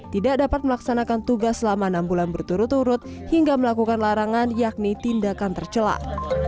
tidak dapat melaksanakan tugas selama enam bulan berturut turut hingga melakukan larangan yakni tindakan tercelak